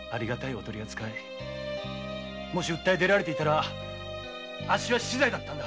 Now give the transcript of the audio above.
もし訴え出られていたらあっしは死罪だったんだ。